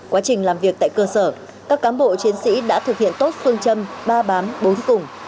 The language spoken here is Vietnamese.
quá trình làm việc tại cơ sở các cán bộ chiến sĩ đã thực hiện tốt phương châm ba bám bốn cùng